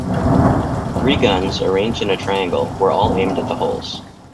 Three guns, arranged in a triangle, were all aimed at the holes.